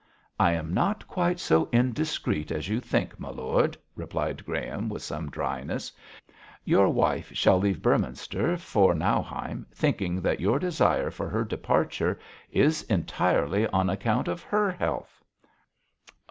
'I am not quite so indiscreet as you think, my lord,' replied Graham, with some dryness. 'Your wife shall leave Beorminster for Nauheim thinking that your desire for her departure is entirely on account of her health.'